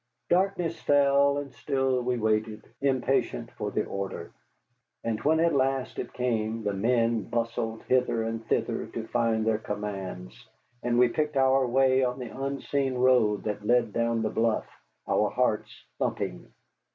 Darkness fell, and still we waited, impatient for the order. And when at last it came the men bustled hither and thither to find their commands, and we picked our way on the unseen road that led down the bluff, our hearts thumping.